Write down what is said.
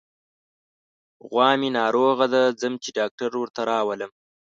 غوا مې ناروغه ده، ځم چې ډاکټر ورته راولم.